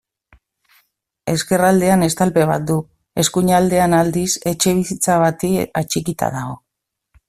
Ezkerraldean estalpe bat du, eskuinean aldiz, etxebizitza bati atxikia dago.